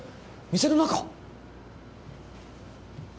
店の中？